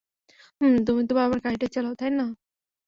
হুম, তুমি তো বাবার গাড়িটা চালাও, তাই না?